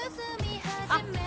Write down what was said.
あっ！